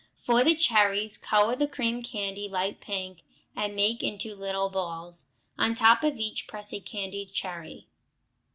For the cherries, color the cream candy light pink and make into little balls. On top of each press a candied cherry.